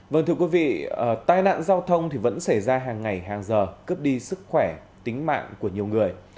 vâng thưa quý vị tai nạn giao thông thì vẫn xảy ra hàng ngày hàng giờ cướp đi sức khỏe tính mạng của nhiều người